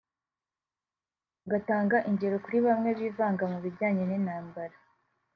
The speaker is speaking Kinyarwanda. agatanga ingero kuri bamwe bivanga mu bijyanye n’intambara